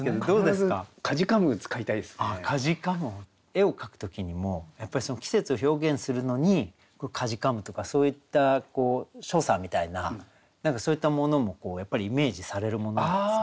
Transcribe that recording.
絵を描く時にもやっぱり季節を表現するのに「悴む」とかそういった所作みたいな何かそういったものもやっぱりイメージされるものです？